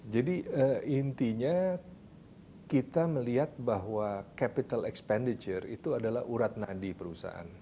jadi intinya kita melihat bahwa capital expenditure itu adalah urat nadi perusahaan